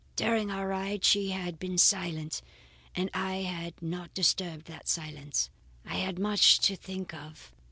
"During our ride she had been silent and I had not disturbed that silence. I had much to think of.